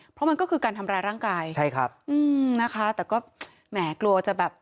เพราะมันก็คือการทำร้ายร่างกายใช่ครับอืมนะคะแต่ก็แหมกลัวจะแบบ